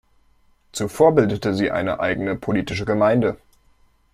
Zuvor bildete sie eine eigene politische Gemeinde.